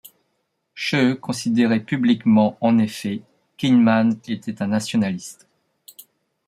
Scheu considérait publiquement en effet qu'Hyndman était un nationaliste.